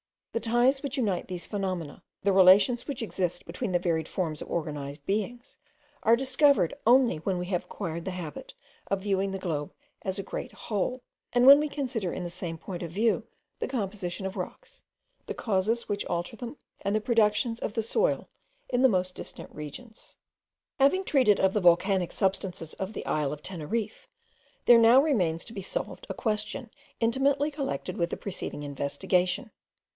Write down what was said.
The ties which unite these phenomena, the relations which exist between the varied forms of organized beings, are discovered only when we have acquired the habit of viewing the globe as a great whole; and when we consider in the same point of view the composition of rocks, the causes which alter them, and the productions of the soil, in the most distant regions. Having treated of the volcanic substances of the isle of Teneriffe, there now remains to be solved a question intimately connected with the preceding investigation.